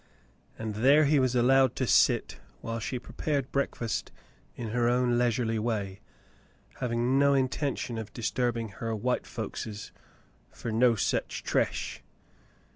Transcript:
And there he was allowed to sit while she prepared breakfast in her own leisurely way, having no intention of disturbing her "white folkses fer no sech trash."